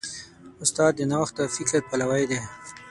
استاد د نوښت او فکر پلوی دی.